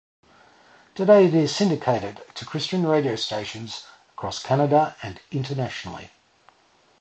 Today it is syndicated to Christian radio stations across Canada and internationally.